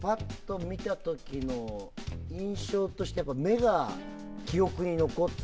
パッと見た時の印象として目が記憶に残ってた。